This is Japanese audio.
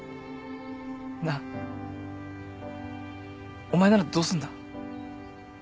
なあお前ならどうすんだ？